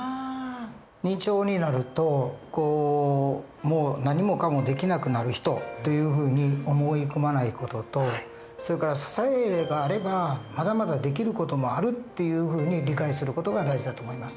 認知症になるともう何もかもできなくなる人というふうに思い込まない事とそれから支えがあればまだまだできる事もあるっていうふうに理解する事が大事だと思います。